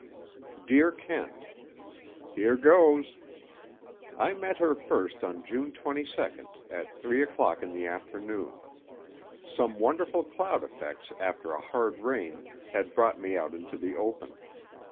_ Dear Kent: Here goes! I met her first on June 22, at three o'clock in the afternoon. Some wonderful cloud effects after a hard rain had brought me out into the open.